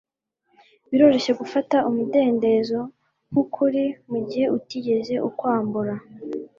biroroshye gufata umudendezo nk'ukuri, mu gihe utigeze ukwambura